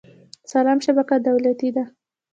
سلام شبکه دولتي ده